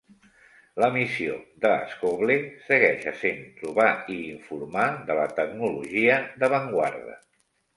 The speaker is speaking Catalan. La missió de Scoble segueix essent trobar i informar de la tecnologia d'avantguarda.